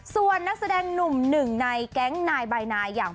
ส่วนนักแสดงหนุ่มหนึ่งในแก๊งนายบายนายอย่าง